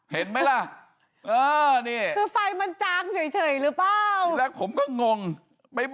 เห็นไหมล่ะ